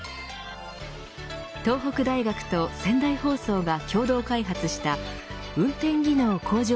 東北大学と仙台放送が共同開発した運転技能向上